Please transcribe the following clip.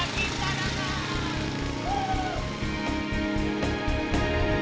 kita pergi yuk